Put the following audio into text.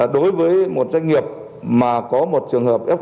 đối với một doanh nghiệp mà có một trường hợp f một